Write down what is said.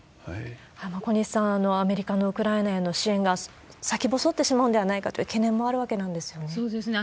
小西さん、アメリカのウクライナへの支援が先細ってしまうんではないかといそうですね。